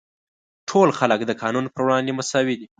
ټول خلک د قانون پر وړاندې مساوي دي.